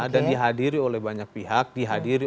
dan dihadiri oleh banyak pihak dihadiri